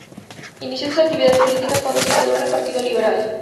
Inició sus actividades políticas cuando se integró al Partido Liberal.